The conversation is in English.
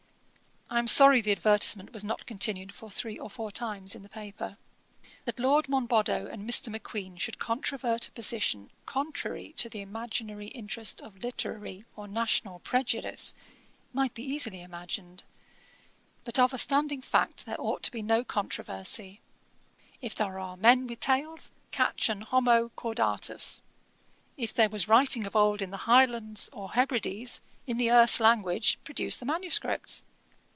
I am sorry the advertisement was not continued for three or four times in the paper. 'That Lord Monboddo and Mr. Macqueen should controvert a position contrary to the imaginary interest of literary or national prejudice, might be easily imagined; but of a standing fact there ought to be no controversy: If there are men with tails, catch an homo caudatus; if there was writing of old in the Highlands or Hebrides, in the Erse language, produce the manuscripts.